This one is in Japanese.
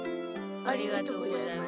ありがとうございます。